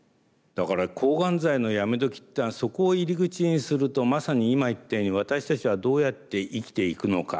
だから抗がん剤のやめどきっていうのはそこを入り口にするとまさに今言ったように私たちはどうやって生きていくのか。